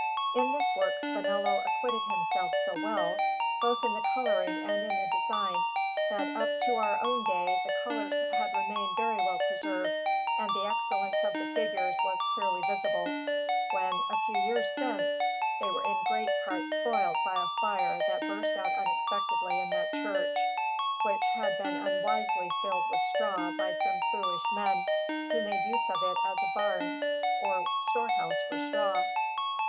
In this work Spinello acquitted himself so well, both in the colouring and in the design, that up to our own day the colours had remained very well preserved and the excellence of the figures was clearly visible, when, a few years since, they were in great part spoilt by a fire that burst out unexpectedly in that church, which had been unwisely filled with straw by some foolish men who made use of it as a barn or storehouse for straw.